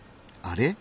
あれ？